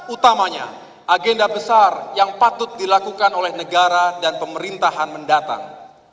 utamanya agenda besar yang patut dilakukan oleh negara dan pemerintahan mendatang